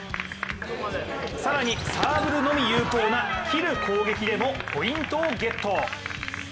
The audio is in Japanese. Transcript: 更に、サーブルのみ有効な斬る攻撃でもポイントをゲット。